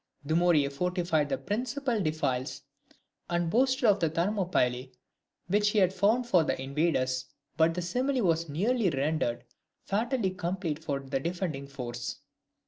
Dumouriez fortified the principal defiles, and boasted of the Thermopylae which he had found for the invaders; but the simile was nearly rendered fatally complete for the defending force.